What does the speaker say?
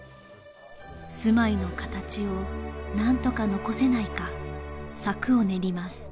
住まいの形を何とか残せないか策を練ります